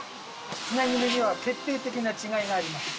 つなぎ目には決定的な違いがあります。